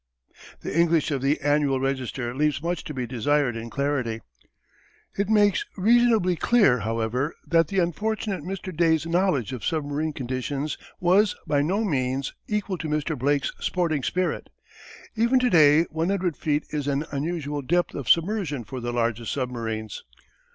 The English of the Annual Register leaves much to be desired in clarity. It makes reasonably clear, however, that the unfortunate Mr. Day's knowledge of submarine conditions was, by no means, equal to Mr. Blake's sporting spirit. Even to day one hundred feet is an unusual depth of submersion for the largest submarines.